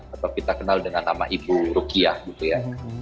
atau kita kenal dengan nama ibu rukiah gitu ya